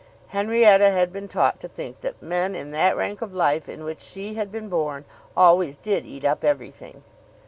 Henrietta had been taught to think that men in that rank of life in which she had been born always did eat up everything.